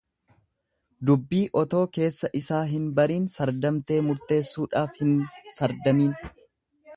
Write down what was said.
Dubbii otoo keessa isaa hin bariin sardamtee murteessuudhaaf hin sardamiin.